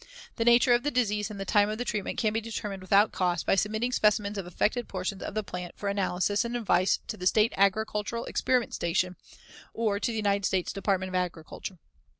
The nature of the disease and the time of treatment can be determined without cost, by submitting specimens of affected portions of the plant for analysis and advice to the State Agricultural Experiment Station or to the United States Department of Agriculture.